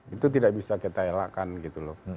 itu tidak bisa kita elakkan gitu loh